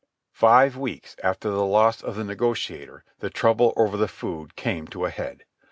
Five weeks after the loss of the Negociator the trouble over the food came to a head.